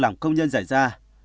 làm công nhân giải gia